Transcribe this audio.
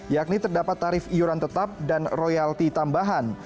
yakni terdapat tarif iuran tetap dan royalti tambahan